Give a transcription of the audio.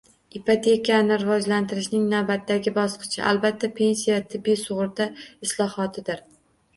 Ipotekani rivojlantirishning navbatdagi bosqichi, albatta, pensiya va tibbiy sug'urta islohotidir